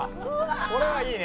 「これはいいね」